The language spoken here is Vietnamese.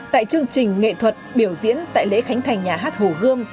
tại chương trình nghệ thuật biểu diễn tại lễ khánh thành nhà hát hồ gươm